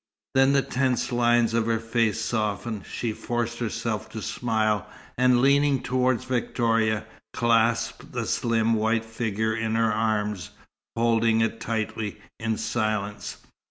Then the tense lines of her face softened. She forced herself to smile, and leaning towards Victoria, clasped the slim white figure in her arms, holding it tightly, in silence.